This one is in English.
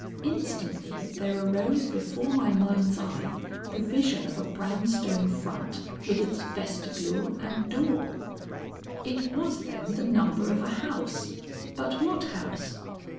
Instantly there arose before my mind's eye the vision of a brown stone front with its vestibule and door. It was, then, the number of a house; but what house?